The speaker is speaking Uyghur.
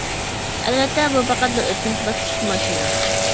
ئەلۋەتتە، بۇ پەقەت بىر ئۆتكۈنچى باسقۇچتىكى ماشىنا.